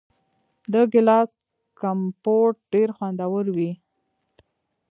د ګیلاس کمپوټ ډیر خوندور وي.